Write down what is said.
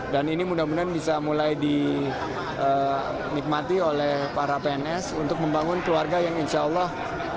dan ini mudah mudahan bisa mulai dinikmati oleh para pns untuk membangun keluarga yang insya allah